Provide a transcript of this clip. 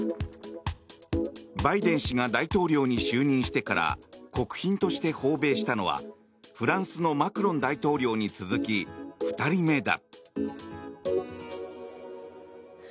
バイデン氏が大統領に就任してから国賓として訪米したのはフランスのマクロン大統領に続き２人目だ。